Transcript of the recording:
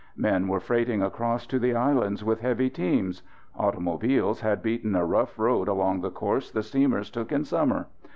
Men were freighting across to the islands with heavy teams. Automobiles had beaten a rough road along the course the steamers took in summer.